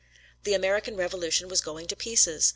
The American Revolution was going to pieces.